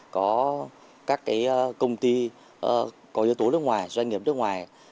có các công ty có yếu tố nước ngoài doanh nghiệp nước ngoài